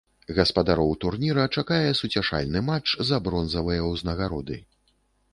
Гаспадароў турніра чакае суцяшальны матч за бронзавыя ўзнагароды.